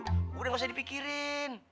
gua udah gak usah dipikirin